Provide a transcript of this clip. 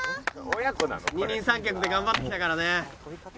二人三脚で頑張ってきたからね。